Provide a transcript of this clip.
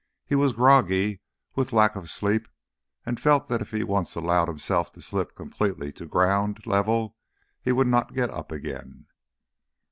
He was groggy with lack of sleep and felt that if he once allowed himself to slip completely to ground level, he would not get up again.